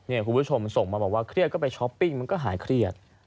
คุณผู้ชมส่งมาบอกว่าเครียดก็ไปช้อปปิ้งมันก็หายเครียด